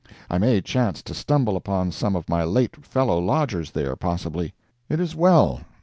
I may chance to stumble upon some of my late fellow lodgers there, possibly. It is well.